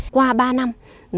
qua ba năm